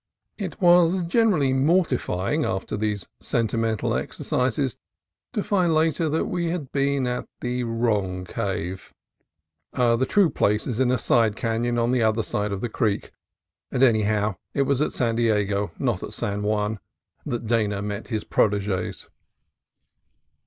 It was gently mortifying, after these sentimental exercises, to find later that we had been at the wrong cave. The true place is in a side canon on the other side of the creek: and, anyhow, it was at San Diego, not San Juan, that Dana met his proteges.